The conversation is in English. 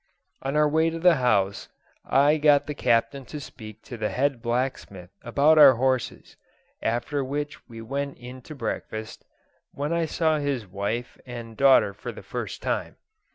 On our way to the house, I got the Captain to speak to the head blacksmith about our horses, after which we went in to breakfast, when I saw his wife and daughter for the first time.